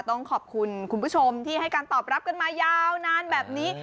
ต้องขอบคุณคุณผู้ชมที่ให้การตอบรับกันมายาวนานแบบนี้